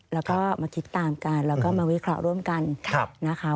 แล้วก็มาคิดตามกันแล้วก็มาวิเคราะห์ร่วมกันนะคะ